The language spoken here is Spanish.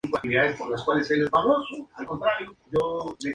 Tomó el apellido de su madre cuando sus padres se separaron.